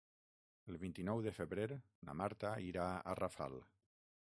El vint-i-nou de febrer na Marta irà a Rafal.